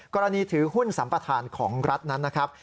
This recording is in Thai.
กรณีถือหุ้นสัมประธานของรัฐนั้นนะครับ